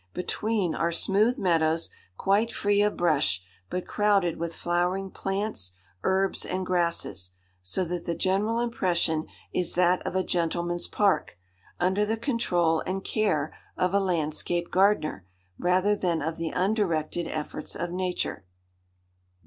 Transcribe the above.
Between are smooth meadows, quite free of brush, but crowded with flowering plants, herbs, and grasses, so that the general impression is that of a gentleman's park, under the control and care of a landscape gardener, rather than of the undirected efforts of nature.